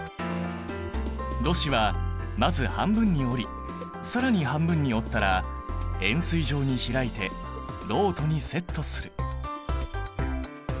ろ紙はまず半分に折り更に半分に折ったら円すい状に開いてろうとにセットする。